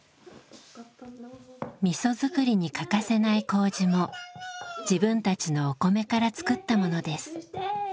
みそ作りに欠かせない麹も自分たちのお米から作ったものです。